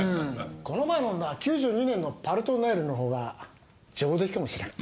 この前飲んだ９２年の「パルトネール」のほうが上出来かもしれん。